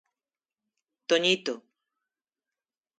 Toñito.